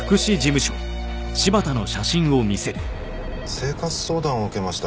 生活相談を受けました。